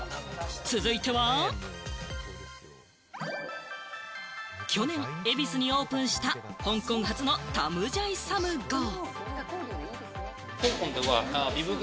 続いては、去年、恵比寿にオープンした、香港発のタムジャイサムゴー。